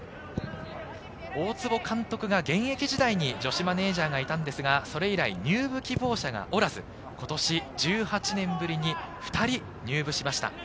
大坪監督が現役時代に女子マネージャーがいたんですが、それ以来入部希望者がおらず今年１８年ぶりに２人、入部しました。